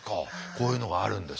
こういうのがあるんです。